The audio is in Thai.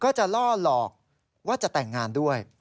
จะล่อหลอกว่าจะแต่งงานด้วย